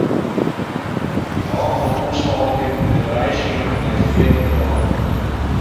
Ik hâld fan omswalkjen en reizgjen nei fiere lannen.